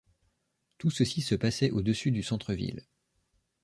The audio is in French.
Tout ceci se passait au-dessus du centre ville.